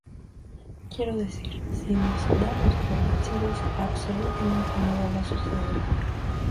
Quiero decir, si nos damos por vencidos, absolutamente nada va a suceder.